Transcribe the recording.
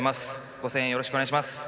ご声援よろしくお願いします。